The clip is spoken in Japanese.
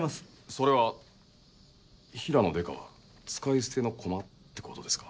それはヒラの刑事は使い捨てのコマってことですか？